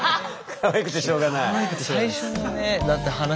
かわいくてしょうがないです。